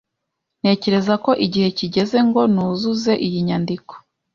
Ntekereza ko igihe kigeze ngo nuzuze iyi nyandiko.